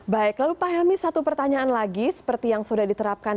baik lalu pak helmi satu pertanyaan lagi seperti yang sudah diterapkan